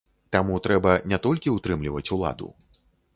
Таму трэба не толькі ўтрымліваць уладу.